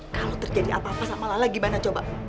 kalau terjadi apa apa sama lala gimana coba